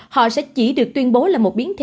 họ sẽ chỉ được tuyên bố là một biến thể